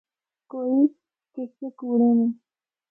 کوئی قصے کوڑے نے۔